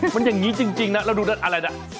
มันอย่างนี้จริงนะแล้วดูำลัดอะไรแล้ว